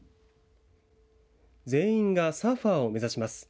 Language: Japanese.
全員がサーファーを目指します。